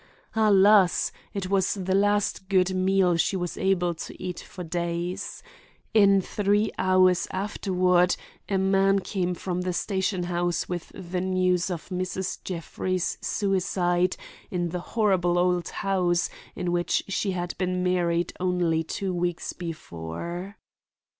Alas! it was the last good meal she was able to eat for days. In three hours afterward a man came from the station house with the news of Mrs. Jeffrey's suicide in the horrible old house in which she had been married only two weeks before.